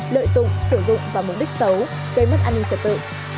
lợi dụng sử dụng vào mục đích xấu gây mất an ninh trật tự